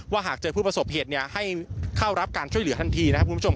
ว่าหากเจอผู้ประสบเหตุให้เข้ารับการช่วยเหลือทันที